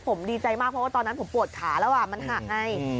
ผมดีใจมากตอนนั้นผมปวดขาแล้วมันห่ะไง